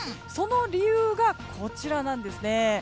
その理由がこちらなんです。